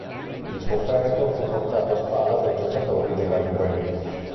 Il suo feretro fu portato a spalla dai giocatori della Juventus.